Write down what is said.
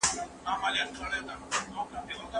زه به ستا د لومړني زنګ په انتظار یم.